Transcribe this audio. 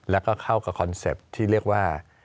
แล้วก็เข้ากับคอนเซ็ปต์ที่เรียกว่า